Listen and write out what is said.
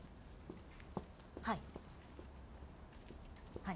はい。